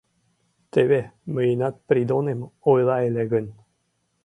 Теве мыйынат Придонем ойла ыле гын.